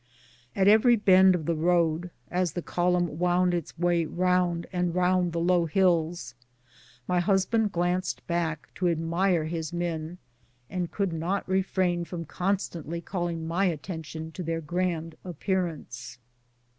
At every bend of the road, as the column wound its way round and round the low hills, my husband glanced back to admire his men, and could not refrain from constantly calling my attention to their grand appearance.